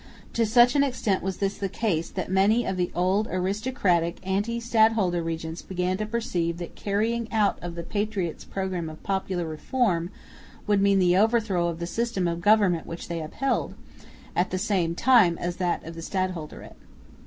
To such an extent was this the case that many of the old aristocratic anti stadholder regents began to perceive that the carrying out of the patriots' programme of popular reform would mean the overthrow of the system of government which they upheld, at the same time as that of the stadholderate.